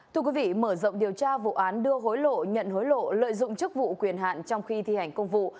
thưa quý vị mở rộng điều tra vụ án đưa hối lộ nhận hối lộ lợi dụng chức vụ quyền hạn trong khi thi hành công vụ